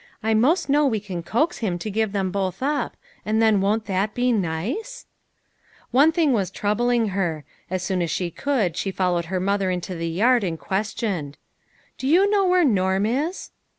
I most know we can coax him to give them both up ; and then won't that be nice ?" One thing was troubling her ; as soon as she could, she followed her mother into the yard and questioned, " Do you know where Norm is